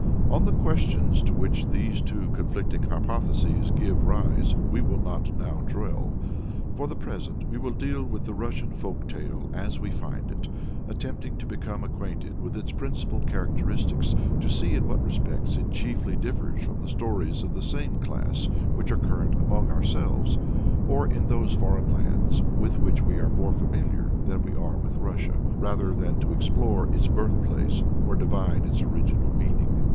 On the questions to which these two conflicting hypotheses give rise we will not now dwell. For the present, we will deal with the Russian folk tale as we find it, attempting to become acquainted with its principal characteristics to see in what respects it chiefly differs from the stories of the same class which are current among ourselves, or in those foreign lands with which we are more familiar than we are with Russia, rather than to explore its birthplace or to divine its original meaning.